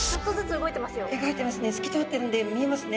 動いてますね。